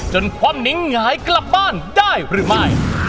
ความนิ้งหงายกลับบ้านได้หรือไม่